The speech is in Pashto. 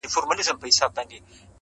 خو نن ما خوب لیدلئ